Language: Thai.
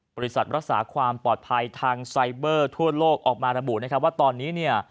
บริษัทรักษาความปลอดภัยทางไซเบอร์ทั่วโลกออกมาระบุนะครับว่าตอนนี้เนี่ย